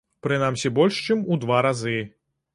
Прынамсі, больш чым у два разы.